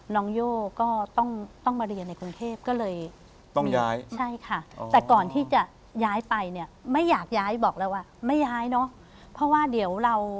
น้องโย่ก็ต้องมาเรียนในกรุงเทพฯก็เลย